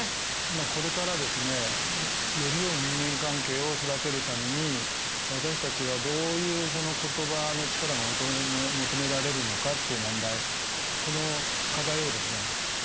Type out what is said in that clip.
これからですねよりよい人間関係を育てるために私たちはどういう言葉の力が求められるのかっていう問題